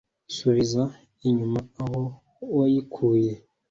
Subiza inyuma aho wayikuye.